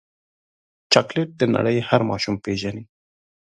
چاکلېټ د نړۍ هر ماشوم پیژني.